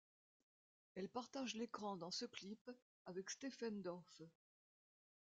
Elle partage l'écran dans ce clip avec Stephen Dorff.